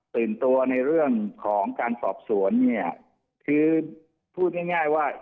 ตื่นตัวในเรื่องของการสอบสวนเนี่ยคือพูดง่ายง่ายว่า